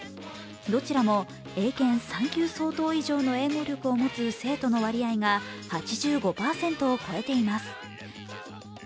どちらも英検３級相当以上の英語力を持つ成都の割合が８５％を超えています。